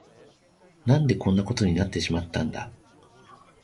何でこんなことになってしまったんだ。